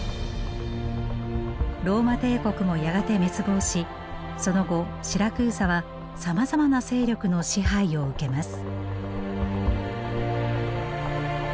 ローマ帝国もやがて滅亡しその後シラクーサはさまざまな勢力の支配を受けます。